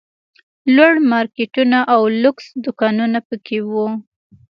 لوړ مارکېټونه او لوکس دوکانونه پکښې وو.